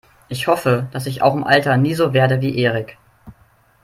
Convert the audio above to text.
Ich hoffe, dass ich auch im Alter nie so werde wie Erik.